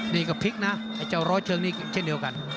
นี่ก็พลิกนะไอ้เจ้าร้อยเชิงนี่เช่นเดียวกัน